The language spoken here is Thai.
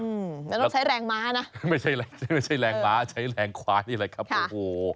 มันต้องใช้แรงม้านะใช้แรงขวายนี่แหละครับโอ้โห